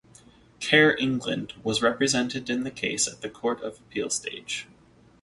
Care England was represented in the case at the Court of Appeal stage.